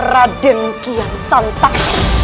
raden kian santak